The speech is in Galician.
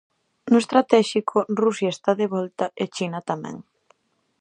No estratéxico, Rusia está de volta e China tamén.